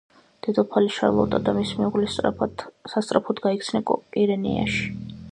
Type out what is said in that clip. დედოფალი შარლოტა და მისი მეუღლე სასწრაფოდ გაიქცნენ კირენიაში.